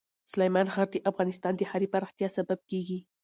سلیمان غر د افغانستان د ښاري پراختیا سبب کېږي.